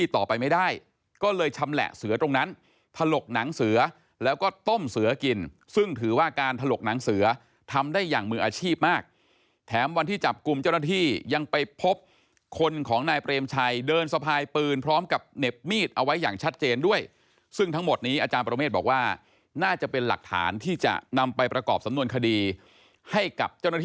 ต่อไปไม่ได้ก็เลยชำแหละเสือตรงนั้นถลกหนังเสือแล้วก็ต้มเสือกินซึ่งถือว่าการถลกหนังเสือทำได้อย่างมืออาชีพมากแถมวันที่จับกลุ่มเจ้าหน้าที่ยังไปพบคนของนายเปรมชัยเดินสะพายปืนพร้อมกับเหน็บมีดเอาไว้อย่างชัดเจนด้วยซึ่งทั้งหมดนี้อาจารย์ประเมฆบอกว่าน่าจะเป็นหลักฐานที่จะนำไปประกอบสำนวนคดีให้กับเจ้าหน้าที่